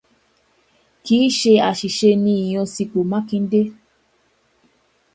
kìí ṣe àṣìṣe ní ìyànsípò Mákindé.